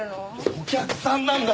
お客さんなんだ！